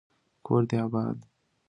کور دي اباد